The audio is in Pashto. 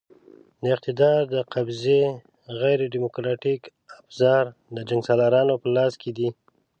د اقتدار د قبضې غیر دیموکراتیک ابزار د جنګسالارانو په لاس کې دي.